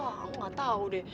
wah aku gak tau deh